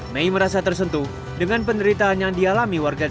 mei merasa tersentuh dengan penderitaan yang dialami oleh anak anak